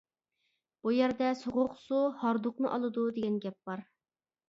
بۇ يەردە «سوغۇق سۇ ھاردۇقنى ئالىدۇ» دېگەن گەپ بار.